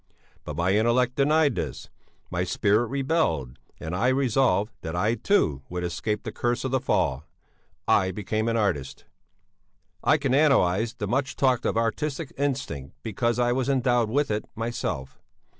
But my intellect denied this. My spirit rebelled and I resolved that I, too, would escape the curse of the fall I became an artist. "'I can analyse the much talked of artistic instinct because I was endowed with it myself.